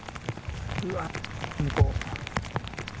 うわ、向こう。